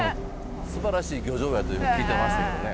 すばらしい漁場やというふうに聞いてましたけどね。